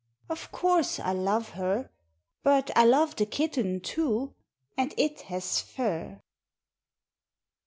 Of Course I love her. But I love the Kitten, too; and It has Fur.